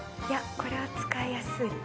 これは使いやすい。